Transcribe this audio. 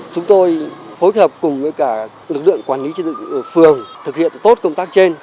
chúng tôi phối hợp cùng với cả lực lượng quản lý trật tự ở phường thực hiện tốt công tác trên